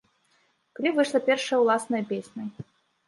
Калі выйшла першая ўласная песня?